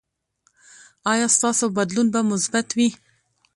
ایا ستاسو بدلون به مثبت وي؟